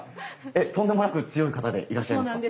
えっとんでもなく強い方でいらっしゃいますか？